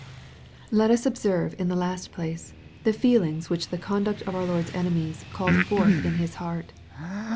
Let us observe, in the last place, the feelings ivhich the conduct of our Lord's enemies called forth in His heart.